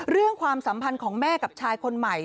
ความสัมพันธ์ของแม่กับชายคนใหม่